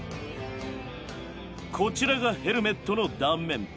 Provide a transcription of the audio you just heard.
こちらがヘルメットの断面。